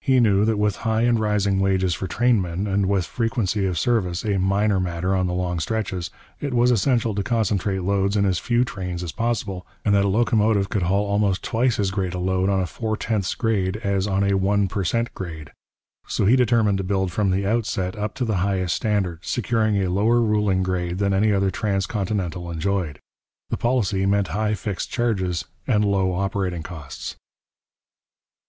He knew that with high and rising wages for trainmen, and with frequency of service a minor matter on the long stretches, it was essential to concentrate loads in as few trains as possible, and that a locomotive could haul almost twice as great a load on a four tenths grade as on a one per cent grade. So he determined to build from the outset up to the highest standard, securing a lower ruling grade than any other transcontinental enjoyed. The policy meant high fixed charges and low operating costs.